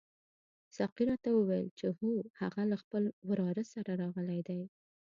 ساقي راته وویل چې هو هغه له خپل وراره سره راغلی دی.